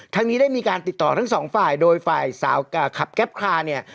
นี้ได้มีการติดต่อทั้งสองฝ่ายโดยฝ่ายสาวขับแก๊ปคลาเนี่ย